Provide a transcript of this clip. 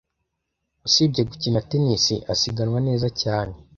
Usibye gukina tennis, asiganwa neza cyane.